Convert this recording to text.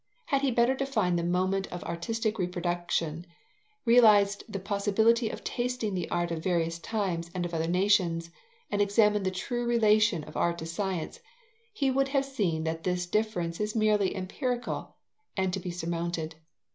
Had he better defined the moment of artistic reproduction, realized the possibility of tasting the art of various times and of other nations, and examined the true relation of art to science, he would have seen that this difference is merely empirical and to be surmounted.